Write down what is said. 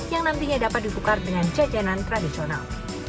yang nantinya dapat ditukar dengan jajanan tradisional